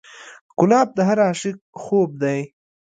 ګلاب د هر عاشق خوب دی.